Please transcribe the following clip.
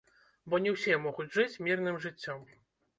Бо не ўсе могуць жыць мірным жыццём.